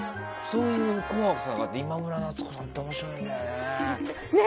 そういう怖さがあって今村夏子さんって面白いんだよね。